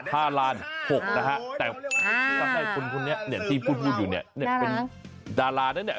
แต่ท่านคุณที่พูดอยู่นี่เป็นดารานะ